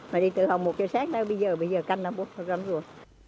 mà đi từ hầu một kia sát bây giờ canh là bơm rồi